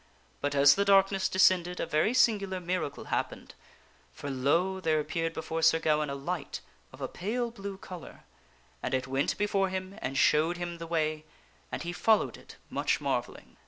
But as the S'r G aine darkness descended a very singular miracle happened, for, lo ! follows a singu there appeared before Sir Gawaine, a light of a pale blue lar light. color, and it went before him and showed him the way, and he followed it, much marvelling.